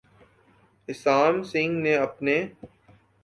اسام سنگ نے اپنے